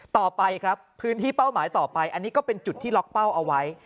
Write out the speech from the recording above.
ต่อไปครับพื้นที่เป้าหมายต่อไปอันนี้ก็เป็นจุดที่ล็อกเป้าเอาไว้